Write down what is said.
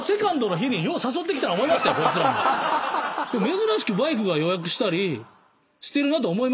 珍しくバイクが予約したりしてるなと思いましたけど。